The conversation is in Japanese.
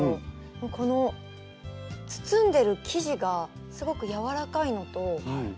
この包んでる生地がすごく柔らかいのと。